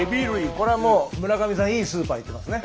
これはもう村上さんいいスーパー行ってますね。